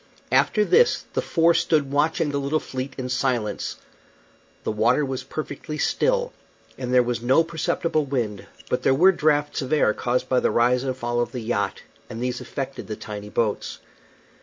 After this the four stood watching the little fleet in silence. The water was perfectly still, and there was no perceptible wind, but there were draughts of air caused by the rise and fall of the yacht, and these affected the tiny boats.